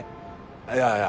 いやいや。